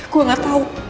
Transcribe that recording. gue gak tau